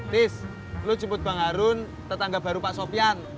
tis lo jemput bang harun tetangga baru pak sofian